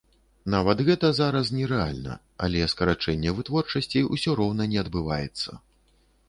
Нават гэта зараз нерэальна, але скарачэнне вытворчасці ўсё роўна не адбываецца!